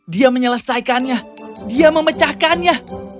dia menyelesaikannya dia memecahkannya